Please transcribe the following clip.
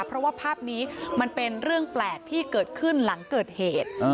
เพราะว่าภาพนี้มันเป็นเรื่องแปลกที่เกิดขึ้นหลังเกิดเหตุ